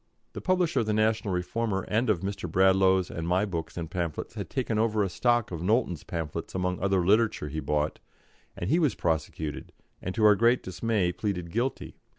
The publisher of the National Reformer and of Mr. Bradlaugh's and my books and pamphlets had taken over a stock of Knowlton's pamphlets among other literature he bought, and he was prosecuted and, to our great dismay, pleaded guilty.